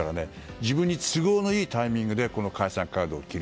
自分に都合のいいタイミングで解散カードを切る。